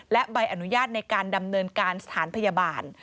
และใบอนุญาตในการดำเนินการสถานพยาบาล